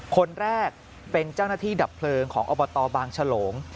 คนแรกเป็นเจ้าหน้าที่ดับเพลิงของอบตบางฉลง